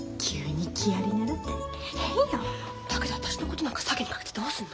だけど私のことなんか詐欺にかけてどうするの？